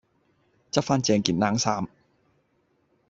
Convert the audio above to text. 執番正件冷衫